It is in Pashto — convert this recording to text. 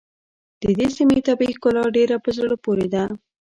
د دې سيمې طبیعي ښکلا ډېره په زړه پورې ده.